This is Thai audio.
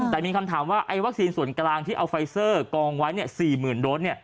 แต่มีคำถามว่าวัคซีนส่วนกลางที่เอาไฟเซอร์กองไว้๔๐๐๐โดส